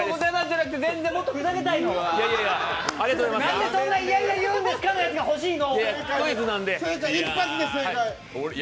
なんでそんないやいや言うんですかのやつが欲しいの。